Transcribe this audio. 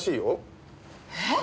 えっ？